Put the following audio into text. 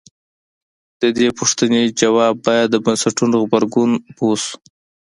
د دې پوښتنې ځواب باید د بنسټونو غبرګون پوه شو.